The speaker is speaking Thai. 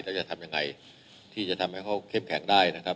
แล้วจะทำยังไงที่จะทำให้เขาเข้มแข็งได้นะครับ